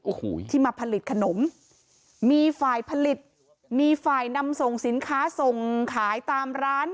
โอ้โหที่มาผลิตขนมมีฝ่ายผลิตมีฝ่ายนำส่งสินค้าส่งขายตามร้าน